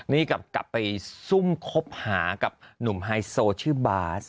นี่กลับไปซุ่มคบหากับหนุ่มไฮโซชื่อบาส